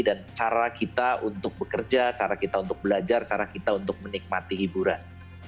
dan cara kita untuk bekerja cara kita untuk belajar cara kita untuk menikmati hiburan